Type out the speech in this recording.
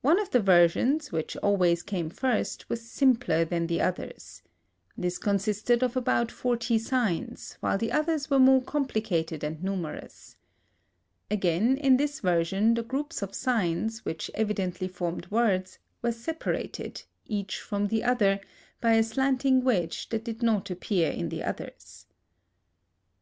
One of the versions, which always came first, was simpler than the others. This consisted of about forty signs, while the others were more complicated and numerous. Again, in this version the groups of signs, which evidently formed words, were separated, each from the other, by a slanting wedge which did not appear in the others.